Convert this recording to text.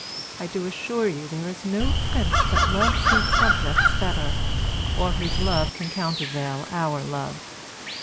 I do assure you there is no prince that loves his subjects better, or whose love can countervail our love.